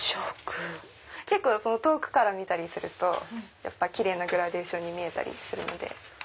遠くから見たりするとキレイなグラデーションに見えるんで。